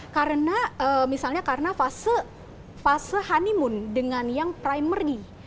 karena misalnya karena fase honeymoon dengan yang primary